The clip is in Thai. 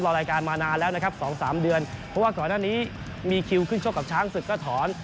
รายการมานานแล้วนะครับสองสามเดือนเพราะว่าก่อนหน้านี้มีคิวขึ้นชกกับช้างศึกก็ถอน